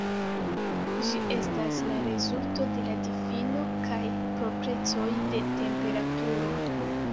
Ĝi estas la rezulto de la difino kaj proprecoj de temperaturo.